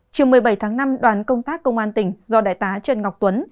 chiều một mươi bảy tháng năm đoàn công tác công an tỉnh do đại tá trần ngọc tuấn